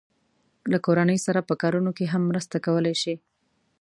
له کورنۍ سره په کارونو کې هم مرسته کولای شي.